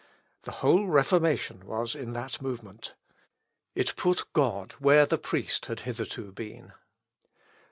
The whole Reformation was in that movement. It put God where the priest had hitherto been.